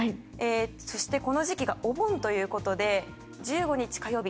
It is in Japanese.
そして、この時期がお盆ということで１５日火曜日